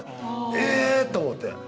え！と思って。